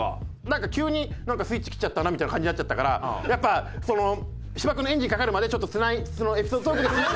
なんか急にスイッチ切っちゃったなみたいな感じになっちゃったからやっぱその芝君のエンジンかかるまでちょっとエピソードトークでつないで。